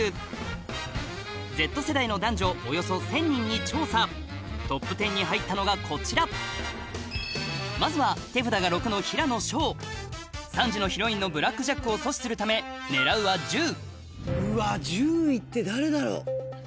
およそ１０００人に調査トップ１０に入ったのがこちらまずは手札が６の平野紫耀３時のヒロインのブラックジャックを阻止するため狙うは１０うわ１０位って誰だろう？